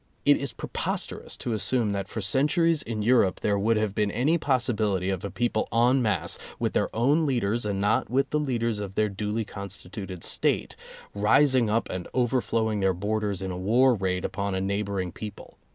It is preposterous to as sume that for centuries in Europe there would have been any possibility of a people en masse, (with their own leaders, and not with the leaders of their duly constituted State), rising up and overflowing their borders in a war raid upon a neighboring people.